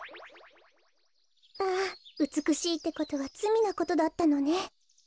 あうつくしいってことはつみなことだったのね。